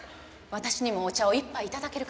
私にもお茶を１杯頂けるかしら？